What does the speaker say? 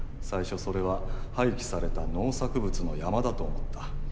最初それは廃棄された農作物の山だと思った。